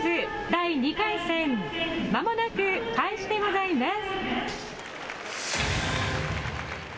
第２回戦、まもなく開始でございます。